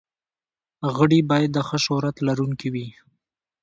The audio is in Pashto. غړي باید د ښه شهرت لرونکي وي.